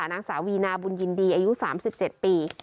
นางสาววีนาบุญยินดีอายุ๓๗ปี